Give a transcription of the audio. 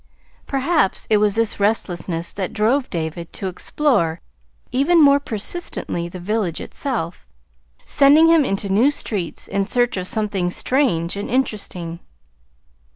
Perhaps it was this restlessness that drove David to explore even more persistently the village itself, sending him into new streets in search of something strange and interesting.